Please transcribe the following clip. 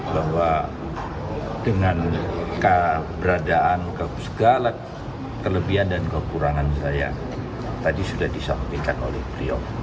bahwa dengan keberadaan segala kelebihan dan kekurangan saya tadi sudah disampaikan oleh beliau